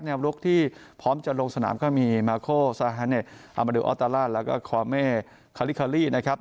ในลุกที่พร้อมจะลงสนามก็มีมาโครซาฮาเนทอัมมาดูออตรารัสแล้วก็ความเมฆคาลิคาลีนะครับ